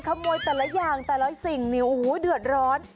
ขโมยแต่ละอย่างแต่ละสิ่งเนี่ยโอ้โหเดือดร้อน